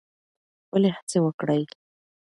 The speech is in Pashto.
خپلې هڅې وکړئ.